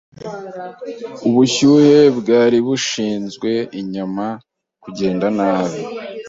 Ubushyuhe bwari bushinzwe inyama kugenda nabi.